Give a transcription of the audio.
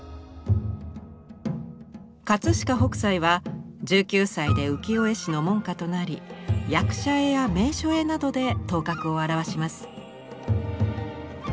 飾北斎は１９歳で浮世絵師の門下となり役者絵や名所絵などで頭角を現します。